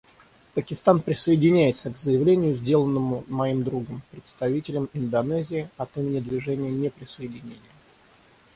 Пакистан присоединяется к заявлению, сделанному моим другом — представителем Индонезии — от имени Движения неприсоединения.